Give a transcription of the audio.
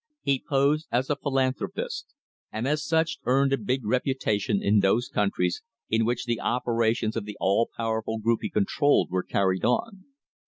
He posed as a philanthropist, and as such earned a big reputation in those countries in which the operations of the all powerful group he controlled were carried on.